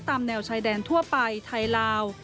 ตามแนวชายแดนทั่วไปไทยลาว